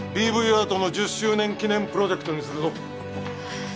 アートの１０周年記念プロジェクトにするぞおっ